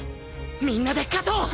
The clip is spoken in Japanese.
みんなで勝とう！